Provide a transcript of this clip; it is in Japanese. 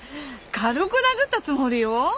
軽く殴ったつもりよ。